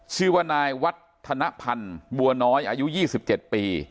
ชื่อว่านายวัฒนภัณฑ์บัวน้อยอายุ๒๗ปี